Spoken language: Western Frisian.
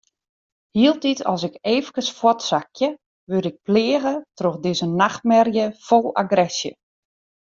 Hieltyd as ik eefkes fuortsakje, wurd ik pleage troch dizze nachtmerje fol agresje.